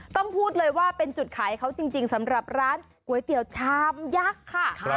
พูดเลยว่าเป็นจุดขายเขาจริงสำหรับร้านก๋วยเตี๋ยวชามยักษ์ค่ะ